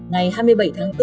ngày hai mươi bảy tháng bốn